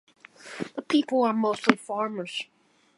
The people are mostly farmers.